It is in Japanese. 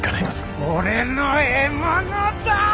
俺の獲物だ！